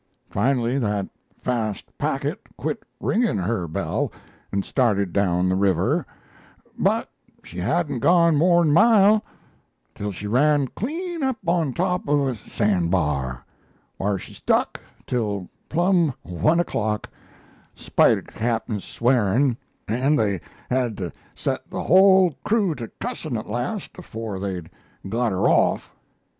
Finally, that fast packet quit ringing her bell, and started down the river but she hadn't gone morn a mile, till she ran clean up on top of a sand bar, whar she stuck till plum one o'clock, spite of the Captain's swearin' and they had to set the whole crew to cussin' at last afore they got her off.